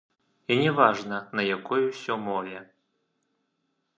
І не важна, на якой усё мове.